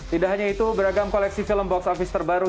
tidak hanya itu beragam koleksi film box office terbaru